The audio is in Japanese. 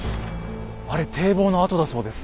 あれ堤防の跡だそうです。